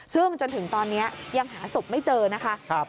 ซึ่งจนถึงตอนนี้ยังหาศพไม่เจอนะคะ